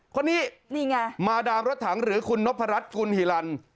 คนนี้นี่ไงมาดามรถถังหรือคุณนพรัชกุลฮิลัน